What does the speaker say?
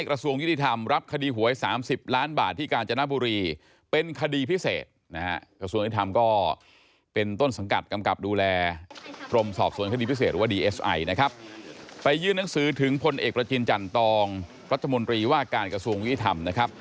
ไปที่กระทรวงยนตรธรรมเพื่อยื่นหนังสือขอ